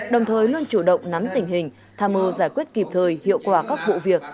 đồng thời luôn chủ động nắm tình hình tham mưu giải quyết kịp thời hiệu quả các vụ việc